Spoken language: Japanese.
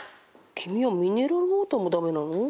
キミはミネラルウォーターもダメなの？